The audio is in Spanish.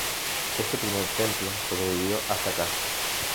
Ese primer templo sobrevivió hasta ca.